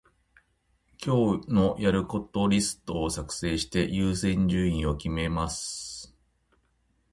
今日のやることリストを作成して、優先順位を決めます。